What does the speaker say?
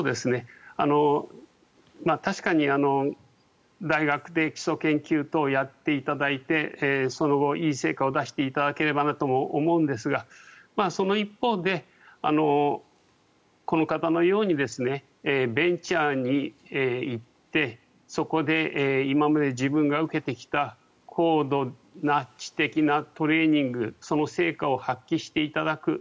確かに大学で基礎研究等をやっていただいてその後、いい成果を出していただければなとも思うんですがその一方でこの方のようにベンチャーに行ってそこで今まで自分が受けてきた高度な知的なトレーニングその成果を発揮していただく。